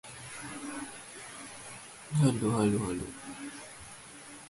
The centre and rear fuselage structures were conventional, with a modified Tornado fin.